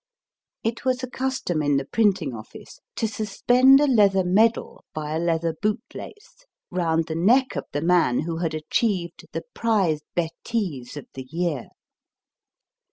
It was a custom in the printing office to suspend a leather medal by a leather bootlace round the neck of the man who had achieved the prize betisc of the year.